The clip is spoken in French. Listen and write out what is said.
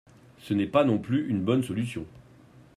Ce n’est pas non plus une bonne solution.